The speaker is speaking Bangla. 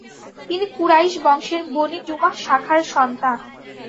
তিনি কুরাইশ বংশের বনী জুমাহ শাখার সন্তান।